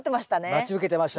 待ち受けてました。